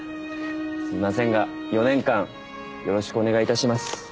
すみませんが４年間よろしくお願いいたします。